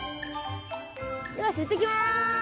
よし行ってきます！